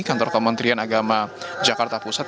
kantor kementerian agama jakarta pusat